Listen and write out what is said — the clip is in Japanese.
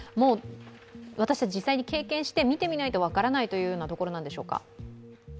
私たち、実際に経験して見てみないと分からないということでしょうか？